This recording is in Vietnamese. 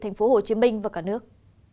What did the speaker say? tp hcm và cả nước